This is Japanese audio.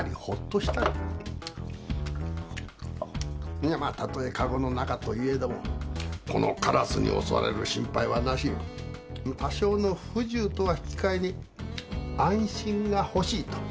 いやまあたとえかごの中といえどもこのカラスに襲われる心配はなし多少の不自由とは引き換えに安心がほしいと思われたんじゃないか。